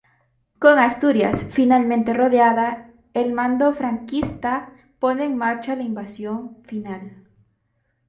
Con Asturias finalmente rodeada, el mando franquista pone en marcha la invasión final.